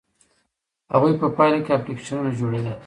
هغوی په پایله کې اپلیکیشنونه جوړوي.